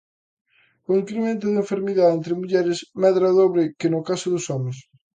O incremento da enfermidade entre mulleres medra o dobre que no caso dos homes.